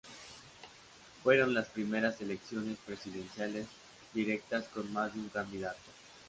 Fueron las primeras elecciones presidenciales directas con más de un candidato.